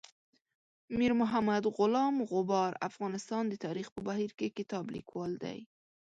میر محمد غلام غبار افغانستان د تاریخ په بهیر کې کتاب لیکوال دی.